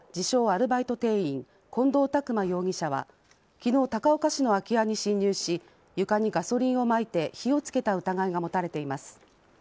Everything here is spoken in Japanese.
アルバイト店員、近藤拓馬容疑者はきのう、高岡市の空き家に侵入し、床にガソリンをまいて火をつけた疑いが持たれています。